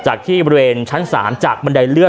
จากที่บริเวณชั้น๓จากบริเวณชั้น๓จากบริเวณชั้น๓จากบริเวณชั้น๓